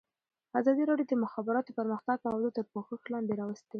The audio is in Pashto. ازادي راډیو د د مخابراتو پرمختګ موضوع تر پوښښ لاندې راوستې.